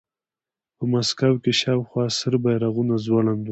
په مسکو کې شاوخوا سره بیرغونه ځوړند وو